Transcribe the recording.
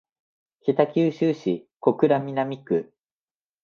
北九州市小倉南区